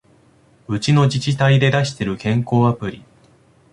うちの自治体で出してる健康アプリ